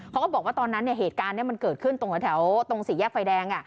เขาก็บอกว่าตอนนั้นเหตุการณ์มันเกิดขึ้นตรงแถวตรงสี่แยกไฟแดง